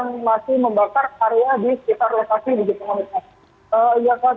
namun masih seiring dilakukannya proses pemadaman oleh petugas damkar